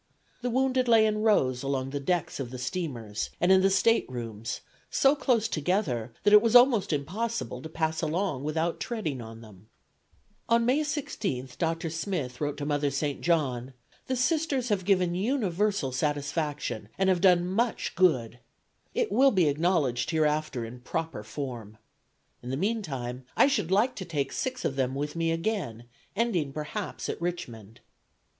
The wounded lay in rows along the decks of the steamers, and in the state rooms, so close together that it was almost impossible to pass along without treading on them. On May 16 Dr. Smith wrote to Mother St. John: "The Sisters have given universal satisfaction, and have done much good. It will be acknowledged hereafter in proper form. In the meantime I should like to take six of them with me again, ending perhaps at Richmond."